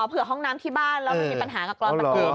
เผื่อห้องน้ำที่บ้านแล้วมันมีปัญหากับกรอนประตู